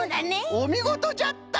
おみごとじゃった！